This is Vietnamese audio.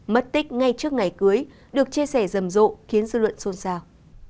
mất tích ngay trước ngày cưới được chia sẻ rầm rộ khiến dư luận xôn xao